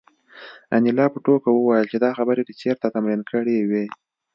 انیلا په ټوکه وویل چې دا خبرې دې چېرته تمرین کړې وې